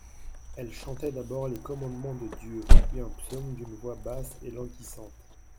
Elle chantait d'abord les Commandements de Dieu, puis un psaume d'une voix basse et languissante.